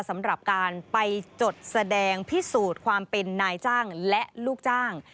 สำหรับการไปจดแสดงพิสูจน์ความเป็นนายจ้างและลูกจ้าง